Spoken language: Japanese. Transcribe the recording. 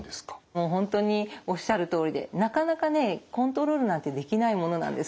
もう本当におっしゃるとおりでなかなかねコントロールなんてできないものなんです。